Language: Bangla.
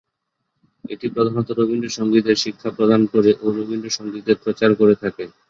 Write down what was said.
এটি প্রধানত রবীন্দ্রসঙ্গীতের শিক্ষা প্রদান করে ও রবীন্দ্রসঙ্গীতের প্রচার করে থাকে।